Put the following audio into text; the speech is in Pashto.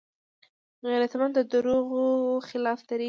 غیرتمند د دروغو خلاف دریږي